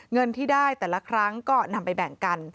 เงินที่ได้แต่ละครั้งก็นำไปแบ่งกัน